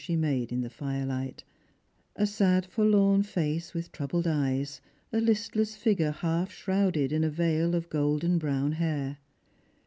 *, made in the firelight, a sad forlorn face with troubled eyes, a hstless figure half shrouded in a veil of golden brown hair.